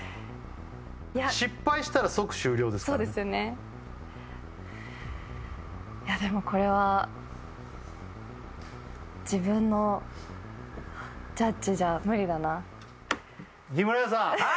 失敗したら即終了ですからそうですよねいやでもこれは自分のジャッジじゃ無理だなヒムラヤさんはい！